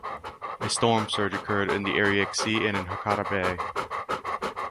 A storm surge occurred in the Ariake Sea and in Hakata Bay.